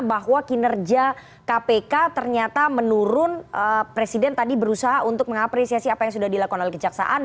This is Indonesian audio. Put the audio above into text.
bahwa kinerja kpk ternyata menurun presiden tadi berusaha untuk mengapresiasi apa yang sudah dilakukan oleh kejaksaan